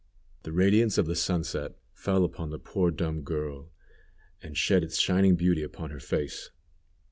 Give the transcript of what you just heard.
The radiance of the sunset fell upon the poor dumb girl, and shed its shining beauty upon her face.